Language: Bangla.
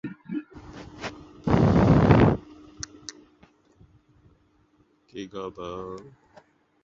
এ গোলের কারণে ফিফা তাকে ‘জাদুকরী চাকমা’ উপাধিতে ভূষিত করে।